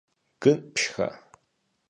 Гын пшха?!